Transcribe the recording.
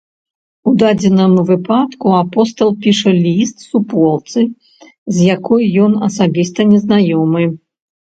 У дадзеным выпадку апостал піша ліст суполцы, з якой ён асабіста незнаёмы.